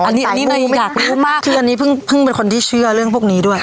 อันนี้อันนี้หน่อยอยากรู้มากคืออันนี้พึ่งพึ่งเป็นคนที่เชื่อเรื่องพวกนี้ด้วย